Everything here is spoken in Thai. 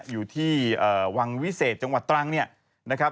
อยู่ที่วังวิเศษจังหวัดตรังเนี่ยนะครับ